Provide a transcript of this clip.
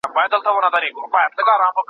د مطالعې فرهنګ څنګه غني کيدای سي؟